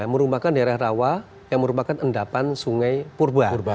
merupakan daerah rawa yang merupakan endapan sungai purba